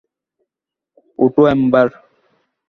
ওঠো, এম্বার।